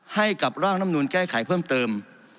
ให้กับร่างลำนูลแก้ไขเพิ่มเติม